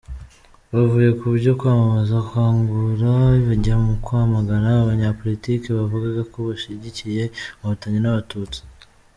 Bavuye kubyo kwamamaza Kangura bajya mu kwamagana abanyapolitiki bavugaga ko bashigikiye Inkotanyi n’abatutsi.